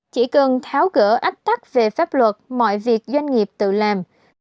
chỉ cần tháo gỡ ách tắc về pháp luật mọi việc doanh nghiệp tự làm